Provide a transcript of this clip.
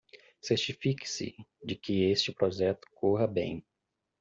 Certifique-se de que este projeto corra bem